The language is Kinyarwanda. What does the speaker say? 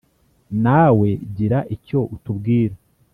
nawe gira icyo utubwira.